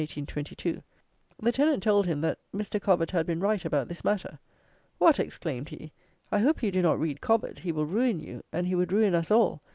The tenant told him, that "Mr. Cobbett had been right about this matter." "What!" exclaimed he, "I hope you do not read Cobbett! He will ruin you, and he would ruin us all.